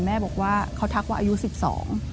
แม่บอกว่าเขาทักว่าอายุสิบสอง